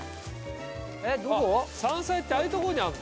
あっ山菜ってああいうとこにあんの？